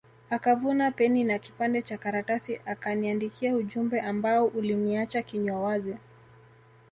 Akavuta peni na kipande Cha karatasi akaniandikia ujumbe ambao uliniacha kinywa wazi